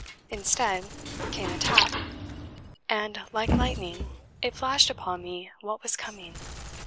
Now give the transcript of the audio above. Instead, came a tap; and, "like lightning, it flashed upon me what was coming.